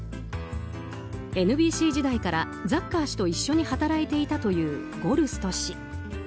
ＮＢＣ時代からザッカー氏と一緒に働いていたというゴルスト氏。